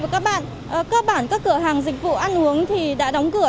các bản các cửa hàng dịch vụ ăn